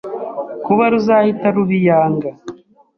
kuba ruzahita ruba iyanga